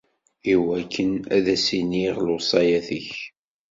Iwakken ad issineɣ lewṣayat-ik.